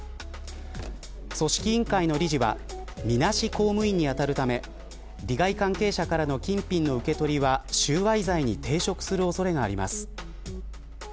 組織委員会の理事はみなし公務員に当たるため利害関係者からの金品の受け取りは収賄罪に抵触する恐れがあります。